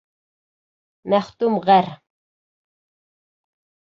Мәхтүм ғәр.